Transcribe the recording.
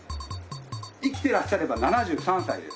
生きていらっしゃれば７３歳です。